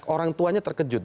orang tuanya terkejut